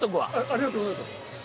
ありがとうございます。